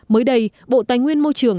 mới đây bộ tài nguyên môi trường